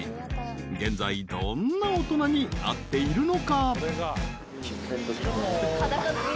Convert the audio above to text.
［現在どんな大人になっているのか？］